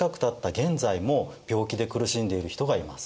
現在も病気で苦しんでいる人がいます。